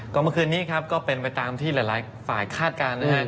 ก็เมื่อคืนนี้ครับก็เป็นไปตามที่หลายฝ่ายคาดการณ์นะครับ